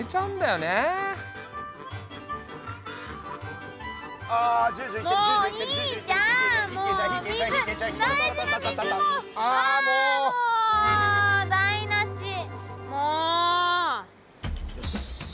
よし。